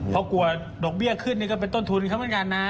เพราะกลัวดอกเบี้ยขึ้นนี่ก็เป็นต้นทุนเขาเหมือนกันนะ